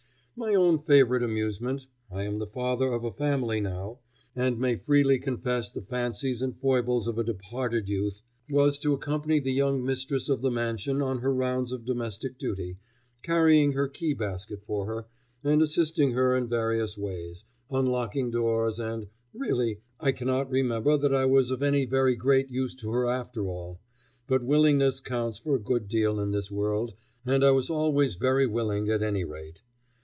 My own favorite amusement I am the father of a family now, and may freely confess the fancies and foibles of a departed youth was to accompany the young mistress of the mansion on her rounds of domestic duty, carrying her key basket for her, and assisting her in various ways, unlocking doors and really I cannot remember that I was of any very great use to her after all; but willingness counts for a good deal in this world, and I was always very willing at any rate.